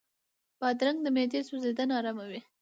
بادرنګ د معدې سوځېدنه آراموي.